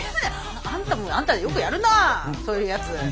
あんたもあんたでよくやるなそういうやつ。